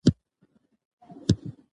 مچان پاک ځای هم چټلوي